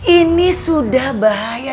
ini sudah bahaya